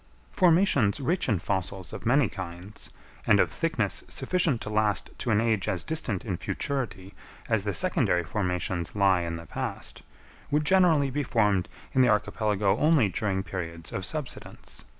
Formations rich in fossils of many kinds, and of thickness sufficient to last to an age as distant in futurity as the secondary formations lie in the past, would generally be formed in the archipelago only during periods of subsidence.